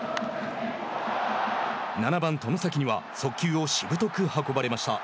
７番外崎には速球をしぶとく運ばれました。